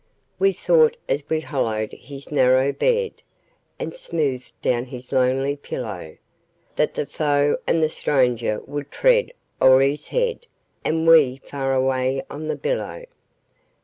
We thought as we hollowed his narrow bed, And smoothed down his lonely pillow, That the foe and the stranger would tread o'er his head, And we far away on the billow.